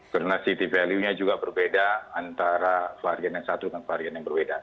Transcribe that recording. karena city value nya juga berbeda antara varian yang satu dan varian yang berbeda